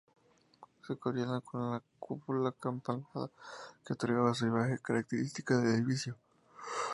Se cubría con la cúpula acampanada que otorgaba su imagen característica al edificio.